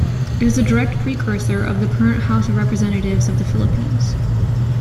It is a direct precursor of the current House of Representatives of the Philippines.